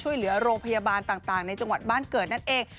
ช่วยเหลือโรงพยาบาลต่างในจังหวัดบ้านเกิดนั่นเอง